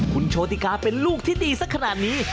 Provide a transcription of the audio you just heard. คุณโชติกาเป็นลูกที่ดีสักขนาดนี้